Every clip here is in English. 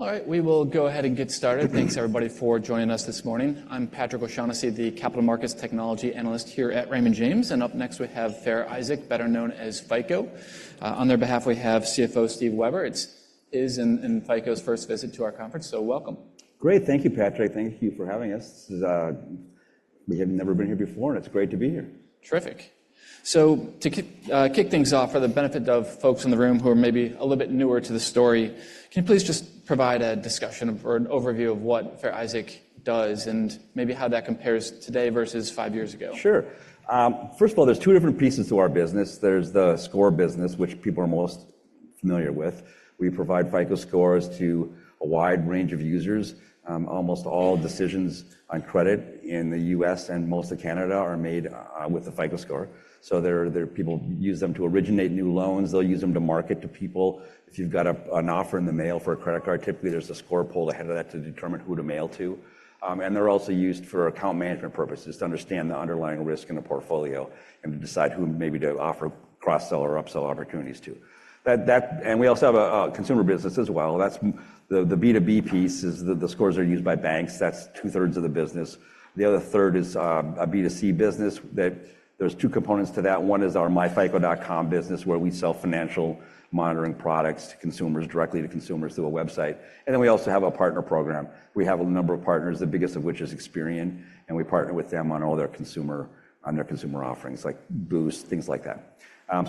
All right, we will go ahead and get started. Thanks, everybody, for joining us this morning. I'm Patrick O'Shaughnessy, the Capital Markets Technology Analyst here at Raymond James. And up next, we have Fair Isaac, better known as FICO. On their behalf, we have CFO Steve Weber. It is FICO's first visit to our conference, so welcome. Great. Thank you, Patrick. Thank you for having us. We have never been here before, and it's great to be here. Terrific. So to kick things off, for the benefit of folks in the room who are maybe a little bit newer to the story, can you please just provide a discussion or an overview of what Fair Isaac does, and maybe how that compares today versus five years ago? Sure. First of all, there's two different pieces to our business. There's the score business, which people are most familiar with. We provide FICO scores to a wide range of users. Almost all decisions on credit in the U.S. and most of Canada are made with the FICO Score. So there are people who use them to originate new loans. They'll use them to market to people. If you've got an offer in the mail for a credit card, typically there's a score pull ahead of that to determine who to mail to. And they're also used for account management purposes, to understand the underlying risk in a portfolio, and to decide who maybe to offer cross-sell or upsell opportunities to. That and we also have a consumer business as well. That's the B2B piece is the scores are used by banks. That's 2/3 of the business. The other third is a B2C business that there's two components to that. One is our myFICO.com business, where we sell financial monitoring products to consumers directly to consumers through a website. And then we also have a partner program. We have a number of partners, the biggest of which is Experian, and we partner with them on all their consumer on their consumer offerings, like Boost, things like that.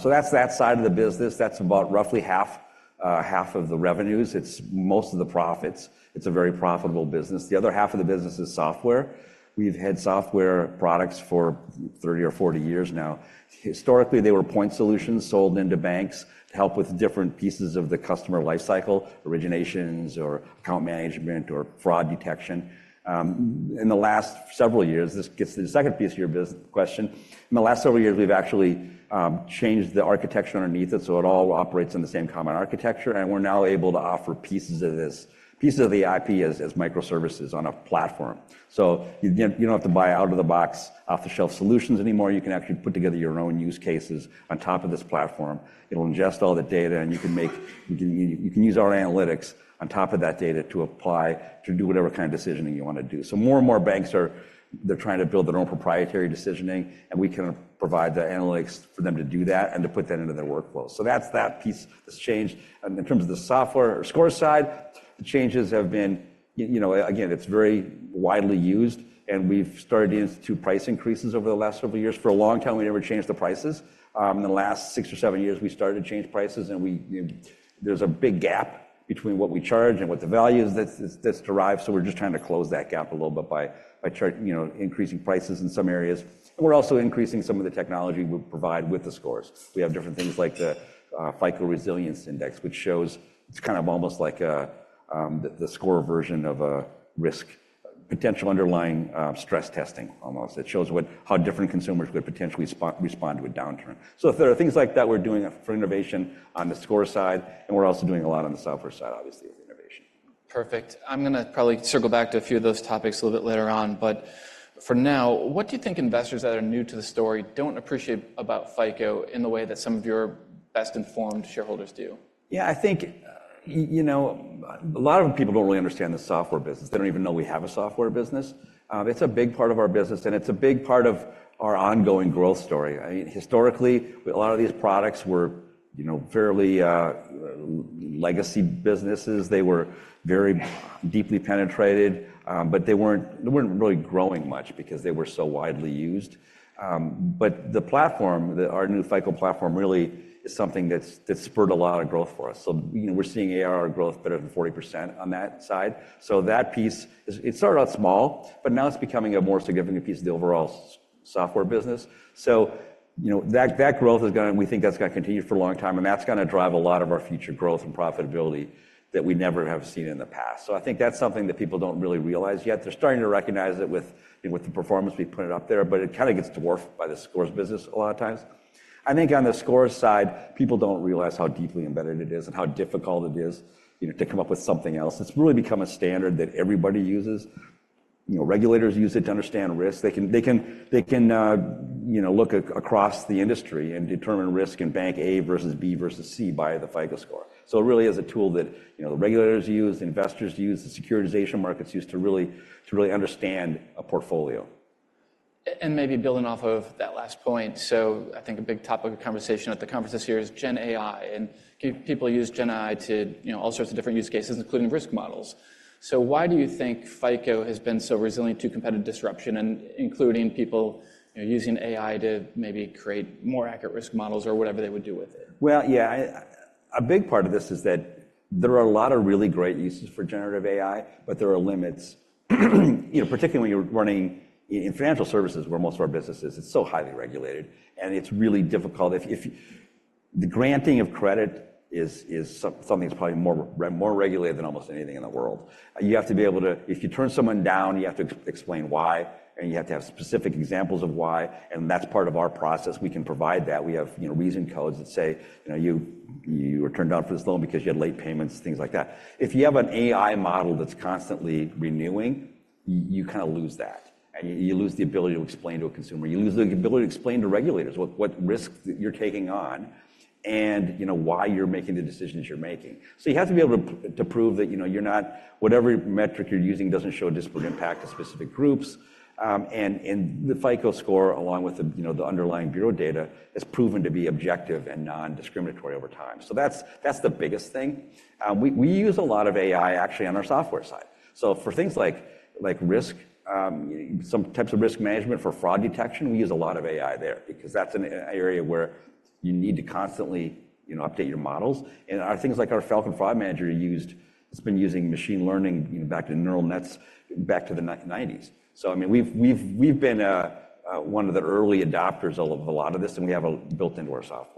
So that's that side of the business. That's about roughly half half of the revenues. It's most of the profits. It's a very profitable business. The other half of the business is software. We've had software products for 30 or 40 years now. Historically, they were point solutions sold into banks to help with different pieces of the customer lifecycle, originations, or account management, or fraud detection. In the last several years, this gets to the second piece of your business question. In the last several years, we've actually changed the architecture underneath it. So it all operates on the same common architecture, and we're now able to offer pieces of the IP as microservices on a platform. So you don't have to buy out-of-the-box, off-the-shelf solutions anymore. You can actually put together your own use cases on top of this platform. It'll ingest all the data, and you can use our analytics on top of that data to do whatever kind of decisioning you want to do. So more and more banks are trying to build their own proprietary decisioning, and we can provide the analytics for them to do that and to put that into their workflows. So that's the piece that's changed. In terms of the software or score side, the changes have been, you know, again. It's very widely used, and we've started to institute price increases over the last several years. For a long time, we never changed the prices. In the last six or seven years, we started to change prices, and there's a big gap between what we charge and what the value is that's derived. So we're just trying to close that gap a little bit by chart, you know, increasing prices in some areas. And we're also increasing some of the technology we provide with the scores. We have different things like the FICO Resilience Index, which shows it's kind of almost like a score version of a risk potential underlying stress testing, almost. It shows how different consumers would potentially respond to a downturn. So there are things like that we're doing for innovation on the score side, and we're also doing a lot on the software side, obviously, with innovation. Perfect. I'm gonna probably circle back to a few of those topics a little bit later on. But for now, what do you think investors that are new to the story don't appreciate about FICO in the way that some of your best-informed shareholders do? Yeah, I think you know, a lot of people don't really understand the software business. They don't even know we have a software business. It's a big part of our business, and it's a big part of our ongoing growth story. I mean, historically, a lot of these products were, you know, fairly legacy businesses. They were very deeply penetrated, but they weren't really growing much because they were so widely used. But the platform, our new FICO Platform, really is something that's spurred a lot of growth for us. So, you know, we're seeing ARR growth better than 40% on that side. So that piece is. It started out small, but now it's becoming a more significant piece of the overall software business. So, you know, that growth is gonna—we think that's gonna continue for a long time—and that's gonna drive a lot of our future growth and profitability that we never have seen in the past. So I think that's something that people don't really realize yet. They're starting to recognize it with, you know, with the performance we put up there, but it kind of gets dwarfed by the scores business a lot of times. I think on the scores side, people don't realize how deeply embedded it is and how difficult it is, you know, to come up with something else. It's really become a standard that everybody uses. You know, regulators use it to understand risk. They can, you know, look across the industry and determine risk in Bank A versus B versus C by the FICO Score. So it really is a tool that, you know, the regulators use, investors use, the securitization markets use to really understand a portfolio. And maybe building off of that last point. So I think a big topic of conversation at the conference this year is Gen AI. And people use Gen AI to, you know, all sorts of different use cases, including risk models. So why do you think FICO has been so resilient to competitive disruption, and including people, you know, using AI to maybe create more accurate risk models, or whatever they would do with it? Well, yeah, a big part of this is that there are a lot of really great uses for generative AI, but there are limits. You know, particularly when you're running in financial services, where most of our business is, it's so highly regulated, and it's really difficult. If the granting of credit is something that's probably more regulated than almost anything in the world. You have to be able to if you turn someone down, you have to explain why, and you have to have specific examples of why. And that's part of our process. We can provide that. We have, you know, Reason Codes that say, you know, you were turned down for this loan because you had late payments, things like that. If you have an AI model that's constantly renewing, you kind of lose that, and you lose the ability to explain to a consumer. You lose the ability to explain to regulators what risks you're taking on, and, you know, why you're making the decisions you're making. So you have to be able to prove that, you know, you're not—whatever metric you're using doesn't show a disparate impact to specific groups. And the FICO Score, along with the, you know, the underlying bureau data, has proven to be objective and non-discriminatory over time. So that's the biggest thing. We use a lot of AI, actually, on our software side. So for things like risk, you know, some types of risk management for fraud detection, we use a lot of AI there, because that's an area where you need to constantly, you know, update your models. And our things like our Falcon Fraud Manager, it's been using machine learning, you know, back to neural nets back to the 1990s. So, I mean, we've been one of the early adopters of a lot of this, and we have a built into our software.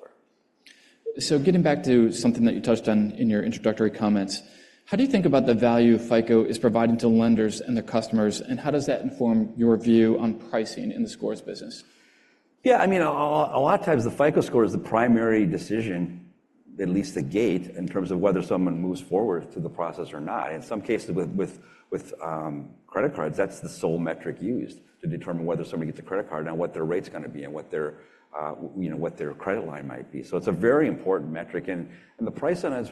Getting back to something that you touched on in your introductory comments. How do you think about the value FICO is providing to lenders and their customers? And how does that inform your view on pricing in the scores business? Yeah, I mean, a lot of times, the FICO Score is the primary decision, at least the gate, in terms of whether someone moves forward to the process or not. In some cases, with credit cards, that's the sole metric used to determine whether somebody gets a credit card and what their rate's gonna be and what their you know, what their credit line might be. So it's a very important metric. And the price on it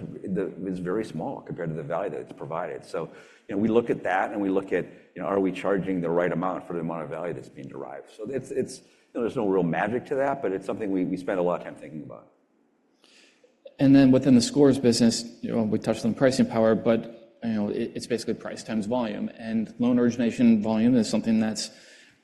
is very small compared to the value that it's provided. So, you know, we look at that, and we look at, you know, are we charging the right amount for the amount of value that's being derived? So it's you know, there's no real magic to that, but it's something we spend a lot of time thinking about. Then within the scores business, you know, we touched on pricing power. You know, it's basically price times volume. Loan origination volume is something that's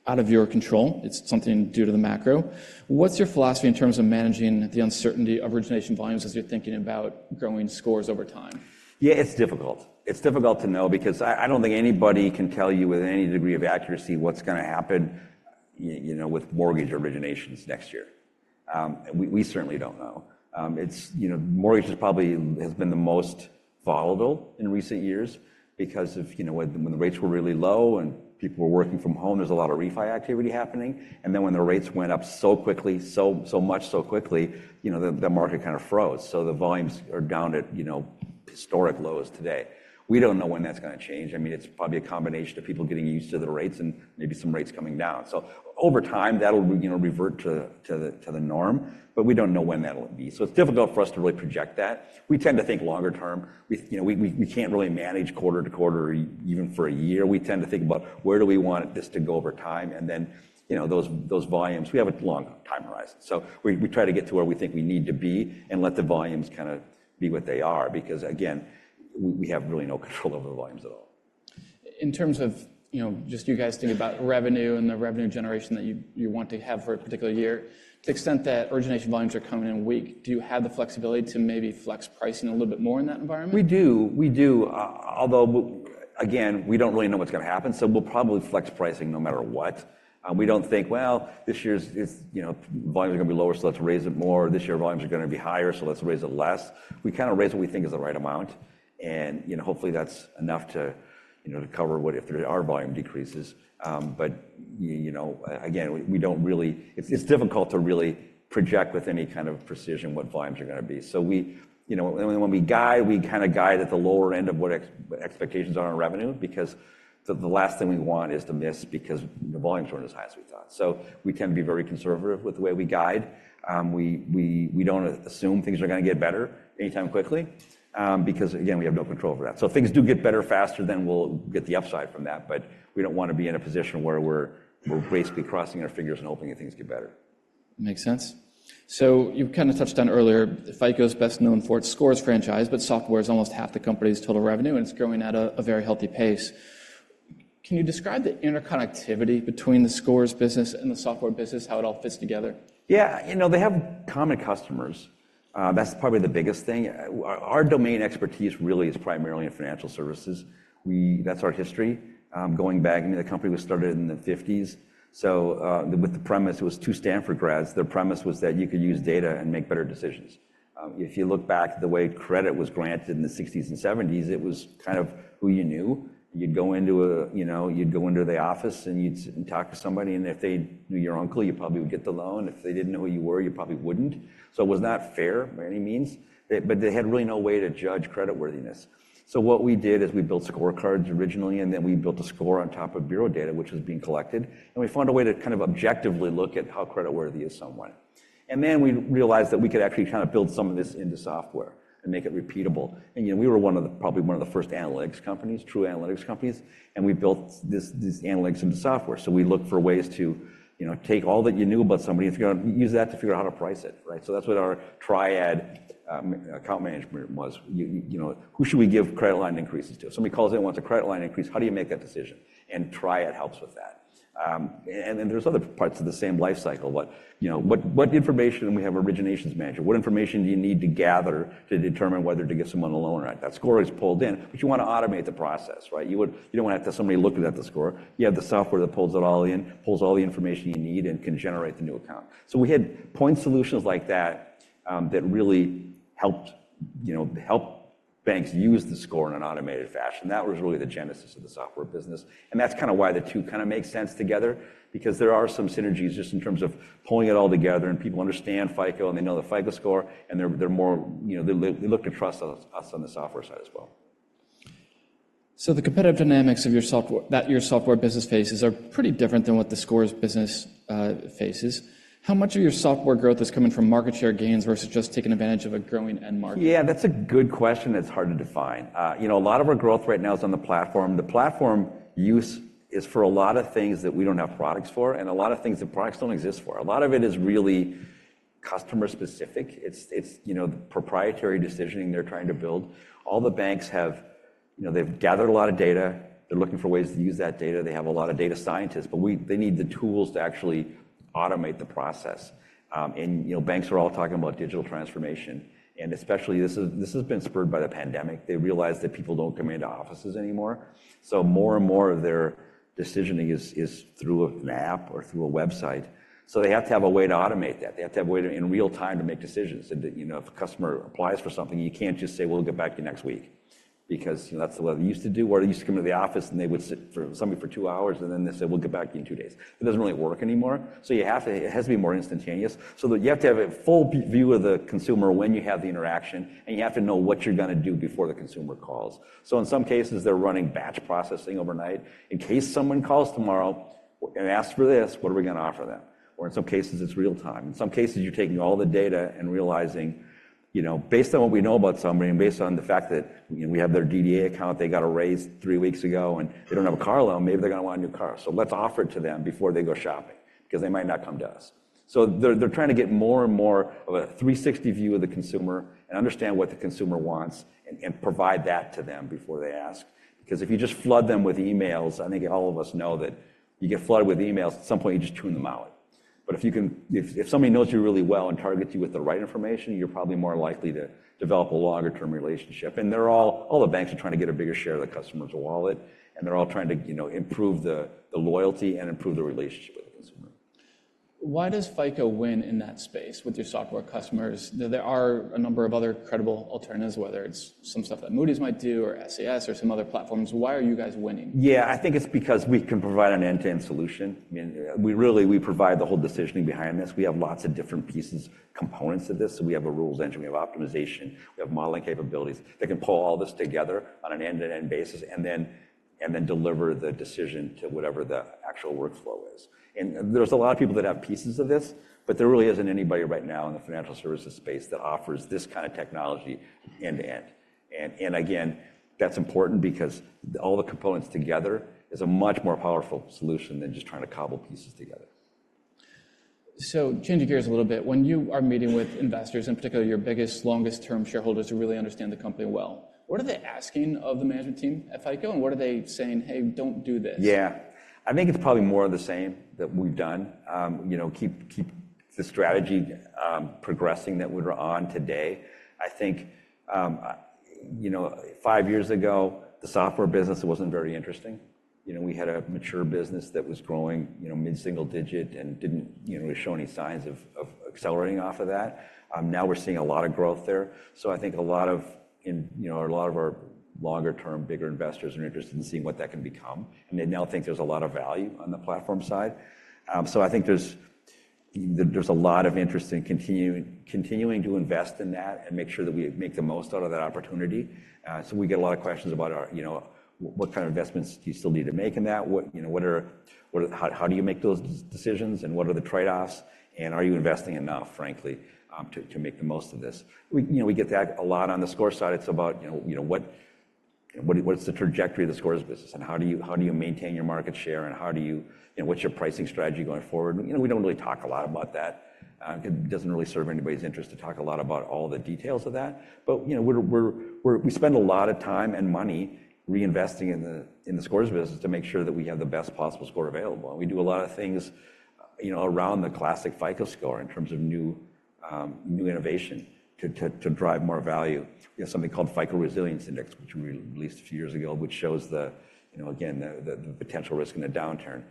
out of your control. It's something due to the macro. What's your philosophy in terms of managing the uncertainty of origination volumes as you're thinking about growing scores over time? Yeah, it's difficult. It's difficult to know, because I don't think anybody can tell you with any degree of accuracy what's gonna happen, you know, with mortgage originations next year. We certainly don't know. It's, you know, mortgage has probably been the most volatile in recent years, because of, you know, when the rates were really low, and people were working from home, there's a lot of refi activity happening. And then, when the rates went up so quickly, so much, so quickly, you know, the market kind of froze. So the volumes are down at, you know, historic lows today. We don't know when that's gonna change. I mean, it's probably a combination of people getting used to the rates and maybe some rates coming down. So over time, that'll, you know, revert to the norm. But we don't know when that'll be. So it's difficult for us to really project that. We tend to think longer term. We, you know, we can't really manage quarter to quarter, even for a year. We tend to think about, where do we want this to go over time? And then, you know, those volumes we have a long time horizon. So we try to get to where we think we need to be and let the volumes kind of be what they are, because, again, we have really no control over the volumes at all. In terms of, you know, just you guys thinking about revenue and the revenue generation that you want to have for a particular year, to the extent that origination volumes are coming in weak, do you have the flexibility to maybe flex pricing a little bit more in that environment? We do. We do. Although, again, we don't really know what's gonna happen. So we'll probably flex pricing no matter what. We don't think, well, this year it's, you know, volume's gonna be lower, so let's raise it more. This year, volumes are gonna be higher, so let's raise it less. We kind of raise what we think is the right amount. And, you know, hopefully, that's enough to, you know, to cover what if our volume decreases. But, you know, again, we don't really. It's difficult to really project with any kind of precision what volumes are gonna be. So we, you know, when we guide, we kind of guide at the lower end of what expectations are on revenue, because the last thing we want is to miss, because the volumes weren't as high as we thought. So we tend to be very conservative with the way we guide. We don't assume things are gonna get better anytime quickly, because, again, we have no control over that. So things do get better faster than we'll get the upside from that. But we don't want to be in a position where we're basically crossing our fingers and hoping that things get better. Makes sense. So you've kind of touched on earlier, FICO is best known for its scores franchise, but software is almost half the company's total revenue, and it's growing at a very healthy pace. Can you describe the interconnectivity between the scores business and the software business, how it all fits together? Yeah, you know, they have common customers. That's probably the biggest thing. Our domain expertise really is primarily in financial services. That's our history. Going back, I mean, the company was started in the 1950s. So, with the premise, it was two Stanford grads. Their premise was that you could use data and make better decisions. If you look back at the way credit was granted in the 1960s and 1970s, it was kind of who you knew. You'd go into a, you know, you'd go into the office, and you'd talk to somebody. And if they knew your uncle, you probably would get the loan. If they didn't know who you were, you probably wouldn't. So it was not fair by any means. But they had really no way to judge creditworthiness. So what we did is we built scorecards originally, and then we built a score on top of bureau data, which was being collected. And we found a way to kind of objectively look at how creditworthy is someone. And then we realized that we could actually kind of build some of this into software and make it repeatable. And, you know, we were one of the probably one of the first analytics companies, true analytics companies. And we built this these analytics into software. So we looked for ways to, you know, take all that you knew about somebody and figure out use that to figure out how to price it, right? So that's what our Triad account management was. You know, who should we give credit line increases to? Somebody calls in, wants a credit line increase. How do you make that decision? And Triad helps with that. And then there's other parts of the same life cycle. What, you know, what information? And we have Origination Manager. What information do you need to gather to determine whether to get someone a loan or not? That score is pulled in, but you want to automate the process, right? You would, you don't want to have to have somebody looking at the score. You have the software that pulls it all in, pulls all the information you need, and can generate the new account. So we had point solutions like that that really helped, you know, help banks use the score in an automated fashion. That was really the genesis of the software business. That's kind of why the two kind of make sense together, because there are some synergies just in terms of pulling it all together, and people understand FICO, and they know the FICO Score, and they're more, you know, they look to trust us on the software side as well. So the competitive dynamics of your software that your software business faces are pretty different than what the scores business faces. How much of your software growth is coming from market share gains versus just taking advantage of a growing end market? Yeah, that's a good question that's hard to define. You know, a lot of our growth right now is on the platform. The platform use is for a lot of things that we don't have products for, and a lot of things that products don't exist for. A lot of it is really customer specific. It's, you know, the proprietary decisioning they're trying to build. All the banks have, you know, they've gathered a lot of data. They're looking for ways to use that data. They have a lot of data scientists, but they need the tools to actually automate the process. And, you know, banks are all talking about digital transformation. And especially, this has been spurred by the pandemic. They realize that people don't come into offices anymore. So more and more of their decisioning is through an app or through a website. So they have to have a way to automate that. They have to have a way to in real time to make decisions. And, you know, if a customer applies for something, you can't just say, "We'll get back to you next week," because, you know, that's what they used to do. Or they used to come into the office, and they would sit for somebody for two hours, and then they'd say, "We'll get back to you in two days." It doesn't really work anymore. So you have to it has to be more instantaneous. So that you have to have a full view of the consumer when you have the interaction, and you have to know what you're gonna do before the consumer calls. So in some cases, they're running batch processing overnight in case someone calls tomorrow and asks for this, what are we gonna offer them? Or in some cases, it's real time. In some cases, you're taking all the data and realizing, you know, based on what we know about somebody and based on the fact that, you know, we have their DDA account. They got a raise three weeks ago, and they don't have a car loan. Maybe they're gonna want a new car. So let's offer it to them before they go shopping, because they might not come to us. So they're trying to get more and more of a 360 view of the consumer and understand what the consumer wants and provide that to them before they ask. Because if you just flood them with emails, I think all of us know that you get flooded with emails. At some point, you just tune them out. But if you can, if somebody knows you really well and targets you with the right information, you're probably more likely to develop a longer-term relationship. And they're all the banks are trying to get a bigger share of the customer's wallet. And they're all trying to, you know, improve the loyalty and improve the relationship with the consumer. Why does FICO win in that space with your software customers? There are a number of other credible alternatives, whether it's some stuff that Moody's might do or SAS or some other platforms. Why are you guys winning? Yeah, I think it's because we can provide an end-to-end solution. I mean, we really provide the whole decisioning behind this. We have lots of different pieces, components of this. So we have a rules engine. We have optimization. We have modeling capabilities that can pull all this together on an end-to-end basis and then deliver the decision to whatever the actual workflow is. And there's a lot of people that have pieces of this, but there really isn't anybody right now in the financial services space that offers this kind of technology end-to-end. And again, that's important, because all the components together is a much more powerful solution than just trying to cobble pieces together. So changing gears a little bit, when you are meeting with investors, in particular, your biggest, long-term shareholders to really understand the company well, what are they asking of the management team at FICO? And what are they saying, "Hey, don't do this"? Yeah, I think it's probably more of the same that we've done. You know, keep the strategy progressing that we're on today. I think, you know, five years ago, the software business, it wasn't very interesting. You know, we had a mature business that was growing, you know, mid-single digit and didn't, you know, show any signs of accelerating off of that. Now we're seeing a lot of growth there. So I think a lot of, you know, a lot of our longer term, bigger investors are interested in seeing what that can become. And they now think there's a lot of value on the platform side. So I think there's a lot of interest in continuing to invest in that and make sure that we make the most out of that opportunity. So we get a lot of questions about our, you know, what kind of investments do you still need to make in that? What, you know, how do you make those decisions? And what are the trade-offs? And are you investing enough, frankly, to make the most of this? We, you know, we get that a lot on the score side. It's about, you know, what's the trajectory of the scores business? And how do you maintain your market share? And how do you, you know, what's your pricing strategy going forward? You know, we don't really talk a lot about that. It doesn't really serve anybody's interest to talk a lot about all the details of that. But, you know, we're we spend a lot of time and money reinvesting in the scores business to make sure that we have the best possible score available. And we do a lot of things, you know, around the classic FICO score in terms of new innovation to drive more value. We have something called FICO Resilience Index, which we released a few years ago, which shows the, you know, again, the potential risk in a downturn.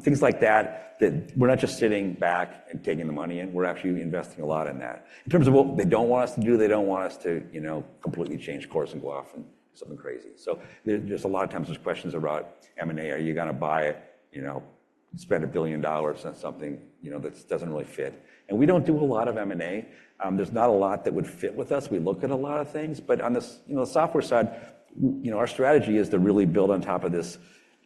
Things like that that we're not just sitting back and taking the money in. We're actually investing a lot in that in terms of what they don't want us to do. They don't want us to, you know, completely change course and go off and do something crazy. So there's a lot of times there's questions about M&A. Are you gonna buy it, you know, spend $1 billion on something, you know, that doesn't really fit? And we don't do a lot of M&A. There's not a lot that would fit with us. We look at a lot of things. But on the, you know, the software side, you know, our strategy is to really build on top of this,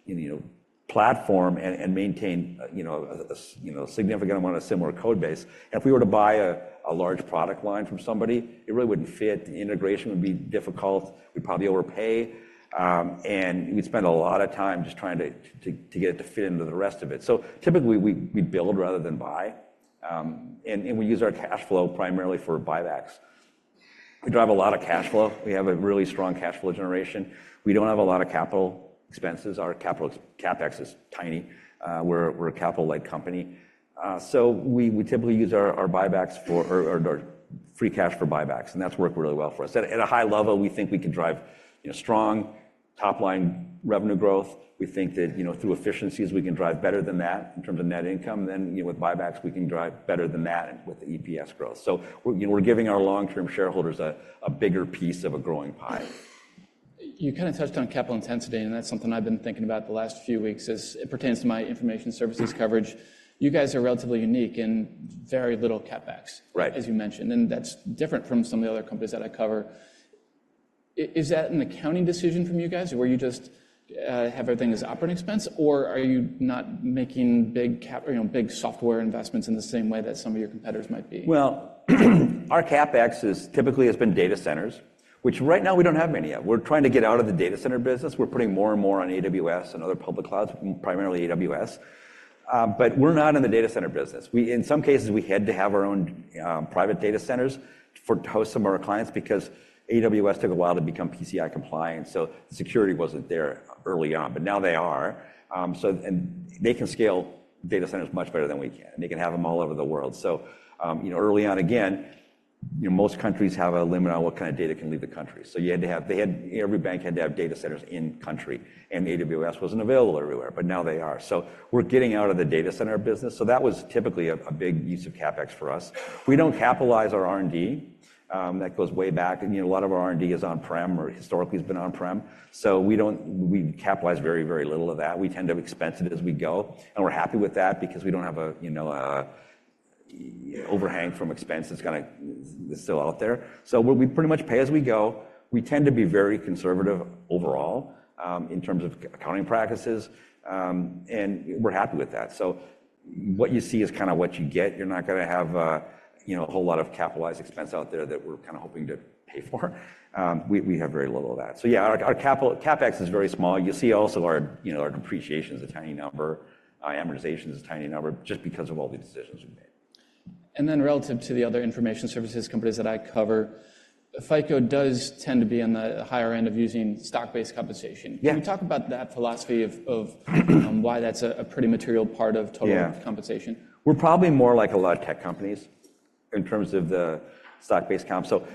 you know, platform and maintain, you know, a significant amount of similar code base. And if we were to buy a large product line from somebody, it really wouldn't fit. The integration would be difficult. We'd probably overpay. And we'd spend a lot of time just trying to get it to fit into the rest of it. So typically, we build rather than buy. And we use our cash flow primarily for buybacks. We drive a lot of cash flow. We have a really strong cash flow generation. We don't have a lot of capital expenses. Our capital CapEx is tiny. We're a capital-light company. So we typically use our free cash for buybacks. And that's worked really well for us. At a high level, we think we can drive, you know, strong top line revenue growth. We think that, you know, through efficiencies, we can drive better than that in terms of net income. Then, you know, with buybacks, we can drive better than that with the EPS growth. So we're, you know, giving our long-term shareholders a bigger piece of a growing pie. You kind of touched on capital intensity, and that's something I've been thinking about the last few weeks as it pertains to my information services coverage. You guys are relatively unique in very little CapEx, as you mentioned. That's different from some of the other companies that I cover. Is that an accounting decision from you guys? Or you just have everything as operating expense? Or are you not making big, you know, big software investments in the same way that some of your competitors might be? Well, our CapEx is typically has been data centers, which right now we don't have many yet. We're trying to get out of the data center business. We're putting more and more on AWS and other public clouds, primarily AWS. But we're not in the data center business. We in some cases, we had to have our own private data centers for to host some of our clients, because AWS took a while to become PCI compliant. So the security wasn't there early on, but now they are. So and they can scale data centers much better than we can, and they can have them all over the world. So, you know, early on, again, you know, most countries have a limit on what kind of data can leave the country. So you had to have they had every bank had to have data centers in country, and AWS wasn't available everywhere. But now they are. So we're getting out of the data center business. So that was typically a big use of CapEx for us. We don't capitalize our R&D that goes way back. You know, a lot of our R&D is on prem, or historically has been on prem. So we don't capitalize very, very little of that. We tend to expense it as we go. And we're happy with that because we don't have a, you know, a overhang from expense that's gonna still out there. So we pretty much pay as we go. We tend to be very conservative overall in terms of accounting practices. And we're happy with that. So what you see is kind of what you get. You're not gonna have, you know, a whole lot of capitalized expense out there that we're kind of hoping to pay for. We have very little of that. So yeah, our CapEx is very small. You'll see also, you know, our depreciation is a tiny number. Amortization is a tiny number just because of all the decisions we've made. And then relative to the other information services companies that I cover, FICO does tend to be on the higher end of using stock based compensation. Can you talk about that philosophy of why that's a pretty material part of total compensation? Yeah, we're probably more like a lot of tech companies in terms of the stock-based comp. So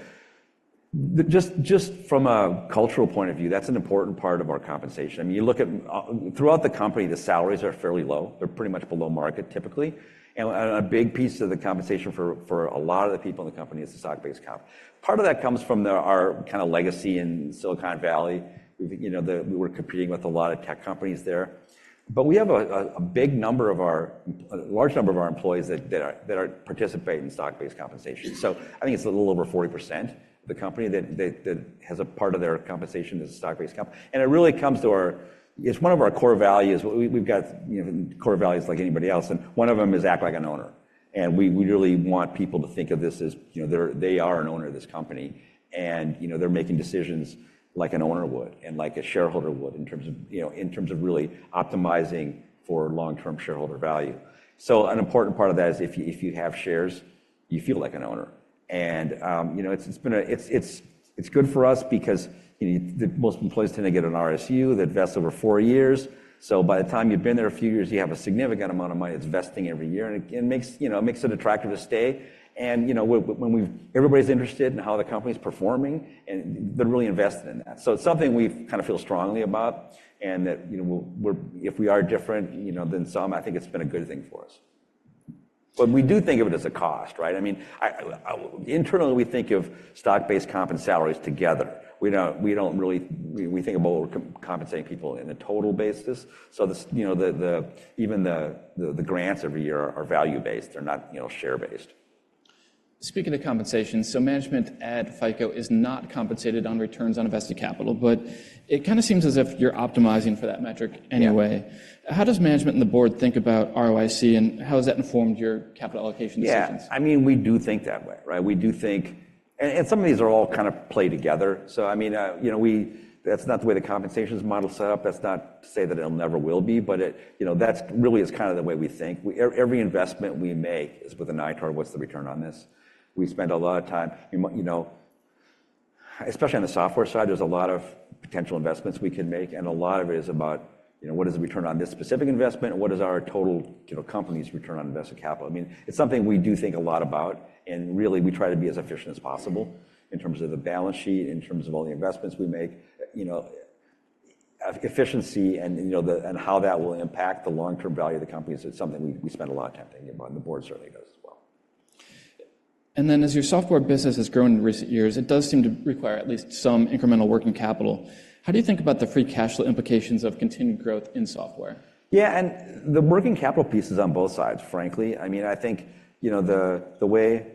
just from a cultural point of view, that's an important part of our compensation. I mean, you look at throughout the company, the salaries are fairly low. They're pretty much below market, typically. And a big piece of the compensation for a lot of the people in the company is the stock-based comp. Part of that comes from our kind of legacy in Silicon Valley. You know, we were competing with a lot of tech companies there. But we have a large number of our employees that participate in stock-based compensation. So I think it's a little over 40% of the company that has a part of their compensation is a stock-based comp. It really comes to our it's one of our core values. We've got, you know, core values like anybody else. One of them is act like an owner. We really want people to think of this as, you know, they are an owner of this company. You know, they're making decisions like an owner would and like a shareholder would in terms of, you know, in terms of really optimizing for long term shareholder value. So an important part of that is, if you have shares, you feel like an owner. You know, it's good for us because, you know, most employees tend to get an RSU that invests over four years. So by the time you've been there a few years, you have a significant amount of money that's investing every year. It makes, you know, it makes it attractive to stay. And, you know, when we've everybody's interested in how the company's performing, and they're really invested in that. So it's something we kind of feel strongly about and that, you know, we're if we are different, you know, than some. I think it's been a good thing for us. But we do think of it as a cost, right? I mean, internally, we think of stock-based comp and salaries together. We don't really think about compensating people in a total basis. So the, you know, the grants every year are value-based. They're not, you know, share-based. Speaking of compensation, so management at FICO is not compensated on returns on invested capital. It kind of seems as if you're optimizing for that metric anyway. How does management and the board think about RoIC? And how has that informed your capital allocation decisions? Yeah, I mean, we do think that way, right? We do think and some of these are all kind of play together. So, I mean, you know, that's not the way the compensation model set up. That's not to say that it'll never will be. But it, you know, that's really kind of the way we think. Every investment we make is with an eye toward what's the return on this? We spend a lot of time, you know, especially on the software side, there's a lot of potential investments we can make. And a lot of it is about, you know, what is the return on this specific investment? And what is our total, you know, company's return on invested capital? I mean, it's something we do think a lot about. Really, we try to be as efficient as possible in terms of the balance sheet, in terms of all the investments we make, you know, efficiency and, you know, and how that will impact the long-term value of the company. It's something we spend a lot of time thinking about. The board certainly does as well. Then, as your software business has grown in recent years, it does seem to require at least some incremental working capital. How do you think about the free cash flow implications of continued growth in software? Yeah, and the working capital piece is on both sides, frankly. I mean, I think, you know, the way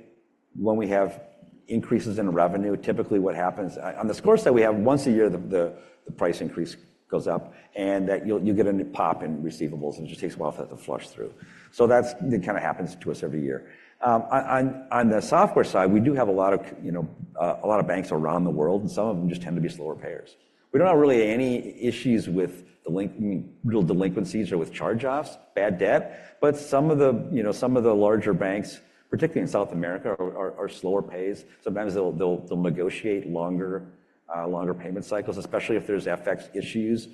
when we have increases in revenue, typically what happens on the score side, we have once a year, the price increase goes up, and that you get a pop in receivables. And it just takes a while for that to flush through. So that's it kind of happens to us every year. On the software side, we do have a lot of, you know, a lot of banks around the world, and some of them just tend to be slower payers. We don't have really any issues with the real delinquencies or with charge offs, bad debt. But some of the, you know, some of the larger banks, particularly in South America, are slower pays. Sometimes they'll negotiate longer payment cycles, especially if there's FX issues.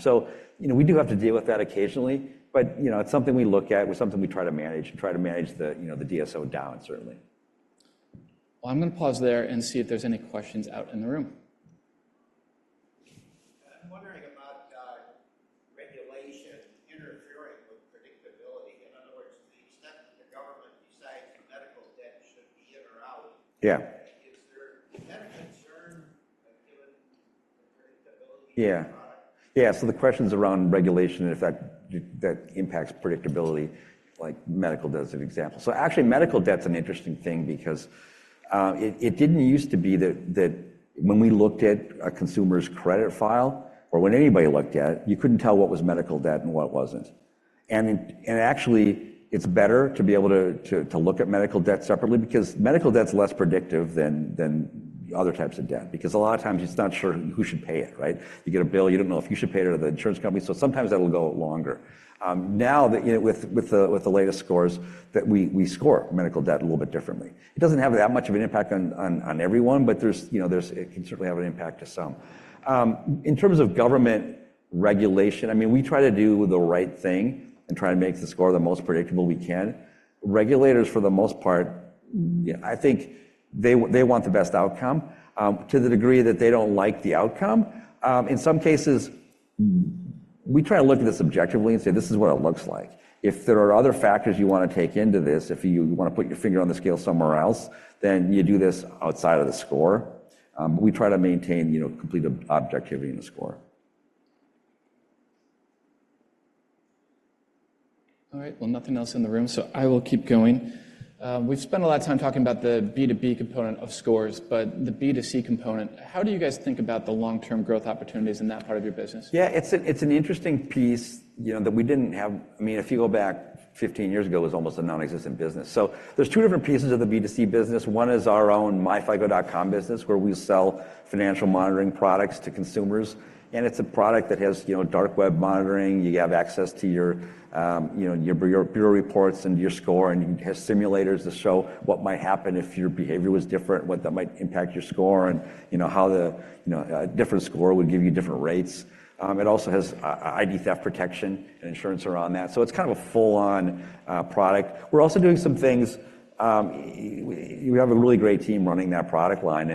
So, you know, we do have to deal with that occasionally. But, you know, it's something we look at. It's something we try to manage and try to manage the, you know, the DSO down, certainly. Well, I'm gonna pause there and see if there's any questions out in the room. I'm wondering about regulation interfering with predictability. In other words, the extent that the government decides medical debt should be in or out. Yeah. Is there a concern, given the predictability of the product? Yeah. Yeah. So the questions around regulation and if that impacts predictability, like medical debt as an example. So actually, medical debt's an interesting thing, because it didn't used to be that when we looked at a consumer's credit file, or when anybody looked at it, you couldn't tell what was medical debt and what wasn't. And actually, it's better to be able to look at medical debt separately, because medical debt's less predictive than other types of debt, because a lot of times it's not sure who should pay it, right? You get a bill. You don't know if you should pay it or the insurance company. So sometimes that'll go longer. Now that, you know, with the latest scores that we score medical debt a little bit differently. It doesn't have that much of an impact on everyone. But there's, you know, it can certainly have an impact to some. In terms of government regulation, I mean, we try to do the right thing and try to make the score the most predictable we can. Regulators, for the most part, I think they want the best outcome to the degree that they don't like the outcome. In some cases, we try to look at this objectively and say, "This is what it looks like." If there are other factors you want to take into this, if you want to put your finger on the scale somewhere else, then you do this outside of the score. We try to maintain, you know, complete objectivity in the score. All right. Well, nothing else in the room. I will keep going. We've spent a lot of time talking about the B2B component of scores. But the B2C component, how do you guys think about the long term growth opportunities in that part of your business? Yeah, it's an interesting piece, you know, that we didn't have. I mean, if you go back 15 years ago, it was almost a nonexistent business. So there's 2 different pieces of the B2C business. One is our own myFICO.com business, where we sell financial monitoring products to consumers. And it's a product that has, you know, dark web monitoring. You have access to your, you know, your bureau reports and your score. And you have simulators to show what might happen if your behavior was different, what that might impact your score, and, you know, how the, you know, different score would give you different rates. It also has ID theft protection and insurance around that. So it's kind of a full on product. We're also doing some things. We have a really great team running that product line.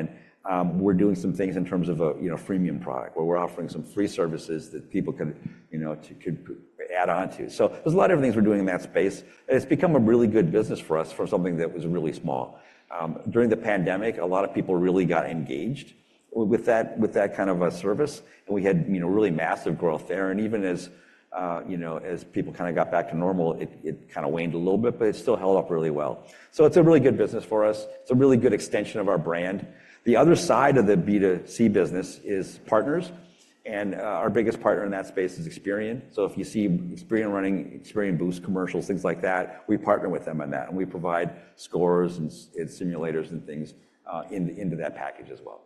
We're doing some things in terms of a, you know, freemium product where we're offering some free services that people could, you know, add onto. So there's a lot of different things we're doing in that space. It's become a really good business for us from something that was really small during the pandemic. A lot of people really got engaged with that kind of a service. We had, you know, really massive growth there. Even as, you know, as people kind of got back to normal, it kind of waned a little bit, but it still held up really well. It's a really good business for us. It's a really good extension of our brand. The other side of the B2C business is partners. Our biggest partner in that space is Experian. If you see Experian running Experian Boost commercials, things like that, we partner with them on that. We provide scores and simulators and things into that package as well.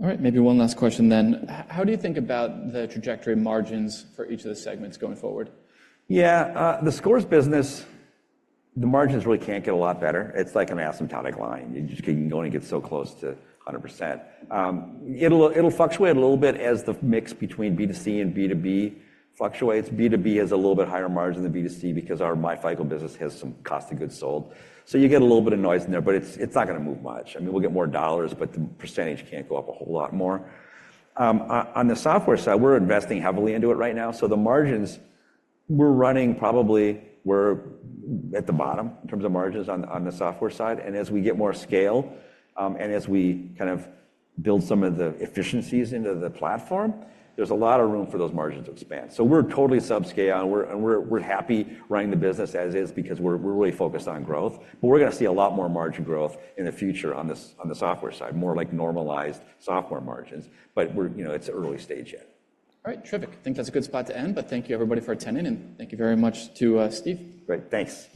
All right. Maybe one last question then. How do you think about the trajectory margins for each of the segments going forward? Yeah, the scores business, the margins really can't get a lot better. It's like an asymptotic line. You just can go and get so close to 100%. It'll fluctuate a little bit as the mix between B2C and B2B fluctuates. B2B has a little bit higher margin than B2C, because our myFICO business has some cost of goods sold. So you get a little bit of noise in there. But it's not gonna move much. I mean, we'll get more dollars, but the percentage can't go up a whole lot more. On the software side, we're investing heavily into it right now. So the margins, we're running probably we're at the bottom in terms of margins on the software side. And as we get more scale and as we kind of build some of the efficiencies into the platform, there's a lot of room for those margins to expand. So we're totally subscale. And we're happy running the business as is, because we're really focused on growth. But we're gonna see a lot more margin growth in the future on the software side, more like normalized software margins. But we're, you know, it's early stage yet. All right. Terrific. I think that's a good spot to end. Thank you, everybody, for attending. And thank you very much to Steve. Great. Thanks.